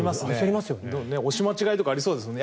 押し間違いとかありそうですもんね。